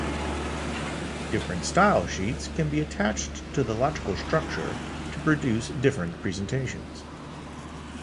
Different style sheets can be attached to the logical structure to produce different presentations.